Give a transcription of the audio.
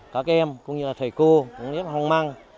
các em cũng như thầy cô cũng như học mang